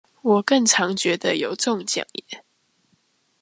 我更常覺得有中獎耶